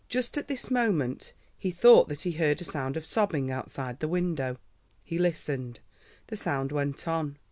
Just at this moment he thought that he heard a sound of sobbing outside the window. He listened; the sound went on.